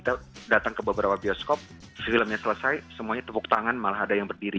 kita datang ke beberapa bioskop filmnya selesai semuanya tepuk tangan malah ada yang berdiri